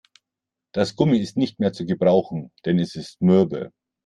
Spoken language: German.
Das Gummi ist nicht mehr zu gebrauchen, denn es ist mürbe.